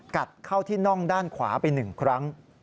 กัดเข้าที่น่องด้านขวาไป๑ครั้ง